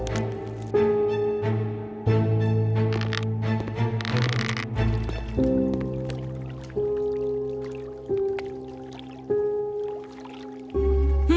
tidak ada yang bisa dihapus